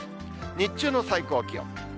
日中の最高気温。